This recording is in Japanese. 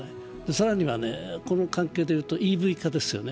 更にこの環境でいうと、ＥＶ化ですよね。